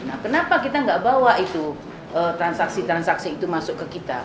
nah kenapa kita nggak bawa itu transaksi transaksi itu masuk ke kita